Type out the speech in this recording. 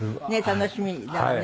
楽しみだもんね。